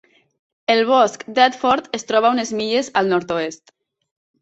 El bosc Thetford es troba a unes milles al nord-oest.